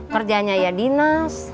kerjanya ya dinas